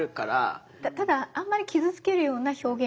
ただあんまり傷つけるような表現はしないように。